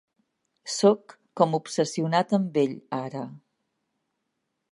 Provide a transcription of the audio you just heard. Sóc com obsessionat amb ell ara.